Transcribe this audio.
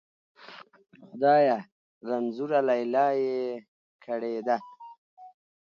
خدایه! رنځوره لیلا یې کړې ده.